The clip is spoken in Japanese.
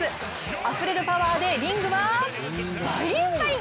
あふれるパワーでリングは、バインバイン。